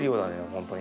本当に。